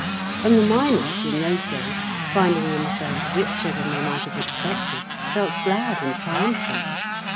And the miners, in those days, finding themselves richer than they might have expected, felt glad and triumphant.